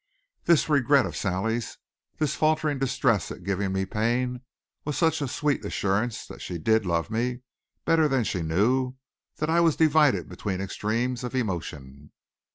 This regret of Sally's, this faltering distress at giving me pain, was such sweet assurance that she did love me, better than she knew, that I was divided between extremes of emotion.